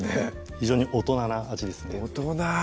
非常に大人な味ですね大人！